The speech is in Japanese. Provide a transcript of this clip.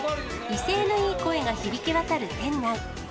威勢のいい声が響き渡る店内。